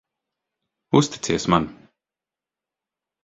Uzticies man.